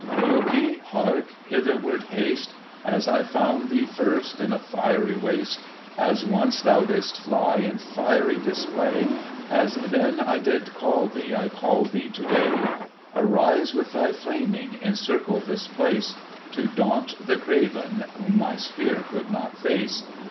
"Loki, hark, Hitherward haste, As I found thee first, In a fiery waste; As once thou didst fly In fiery display; As then I did call thee I call thee to day! Arise with thy flaming— Encircle this place, To daunt the craven Whom my spear could not face!